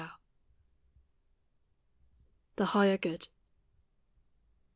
THE HIGHER GOOD.